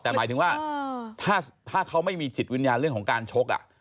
แต่หมายถึงว่าถ้าเขาไม่มีจิตวิญญาณเรื่องของการชก